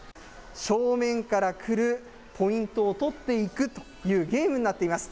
正面から来るポイントを取っていくというゲームになっています。